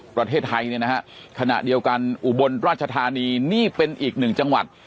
ประเทศไทยเนี่ยนะฮะขณะเดียวกันอุบลราชธานีนี่เป็นอีกหนึ่งจังหวัด